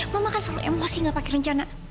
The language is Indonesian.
mama makan selalu emosi gak pakai rencana